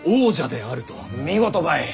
見事ばい！